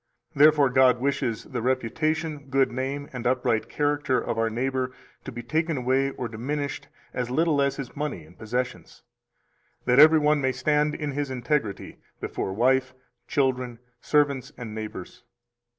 256 Therefore God wishes the reputation, good name, and upright character of our neighbor to be taken away or diminished as little as his money and possessions, that every one may stand in his integrity before wife, children, servants, and neighbors.